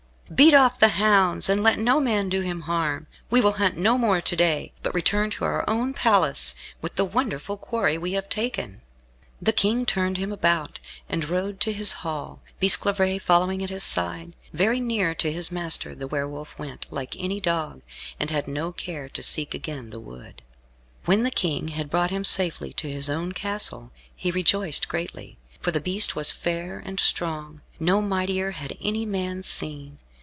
Beat off the hounds, and let no man do him harm. We will hunt no more to day, but return to our own place, with the wonderful quarry we have taken." The King turned him about, and rode to his hall, Bisclavaret following at his side. Very near to his master the Were Wolf went, like any dog, and had no care to seek again the wood. When the King had brought him safely to his own castle, he rejoiced greatly, for the beast was fair and strong, no mightier had any man seen.